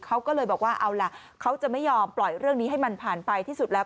เขาก็เลยบอกว่าเอาล่ะเขาจะไม่ยอมปล่อยเรื่องนี้ให้มันผ่านไปที่สุดแล้ว